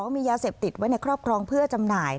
มียาเสพติดไว้ในครอบครองเพื่อจำหน่าย